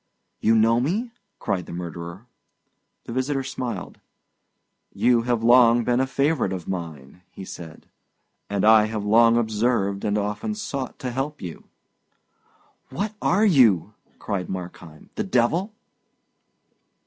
"You know me?" cried the murderer. The visitor smiled. "You have long been a favourite of mine," he said; "and I have long observed and often sought to help you." "What are you?" cried Markheim; "the devil?"